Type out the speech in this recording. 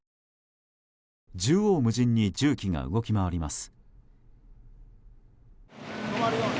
縦横無尽に重機が動き回ります。